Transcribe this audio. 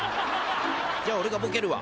じゃあおれがボケるわ。